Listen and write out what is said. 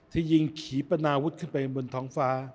ที่ยิงขี่ปนาวุฒิขึ้นไปบนท้องฟ้า